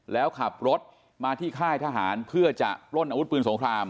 แล้วขับรถมาที่ค่ายทหารเพื่อจะปล้นอาวุธปืนสงคราม